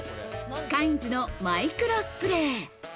カインズのマイクロスプレー。